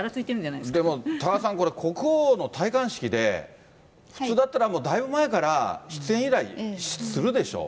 でも、多賀さん、国王の戴冠式で普通だったらもうだいぶ前から出演依頼するでしょう。